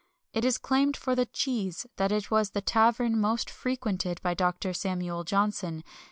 It is claimed for the "Cheese" that it was the tavern most frequented by Dr. Samuel Johnson.